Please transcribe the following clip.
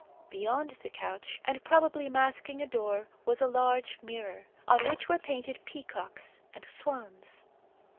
Beyond the couch, and probably masking a door, was a large mirror, on which were painted peacocks and swans.